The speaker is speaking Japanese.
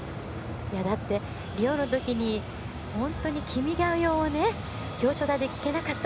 だってリオのときに本当に「君が代」を表彰台で聴けなかった。